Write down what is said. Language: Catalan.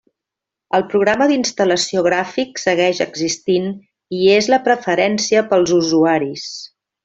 El programa d'instal·lació gràfic segueix existint i és la preferència pels usuaris.